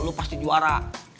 lo pasti juara